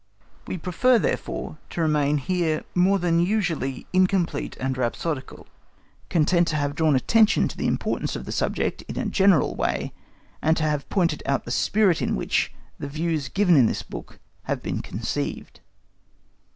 We prefer, therefore, to remain here more than usually incomplete and rhapsodical, content to have drawn attention to the importance of the subject in a general way, and to have pointed out the spirit in which the views given in this book have been conceived.